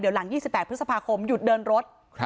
เดี๋ยวหลัง๒๘พฤษภาคมหยุดเดินรถ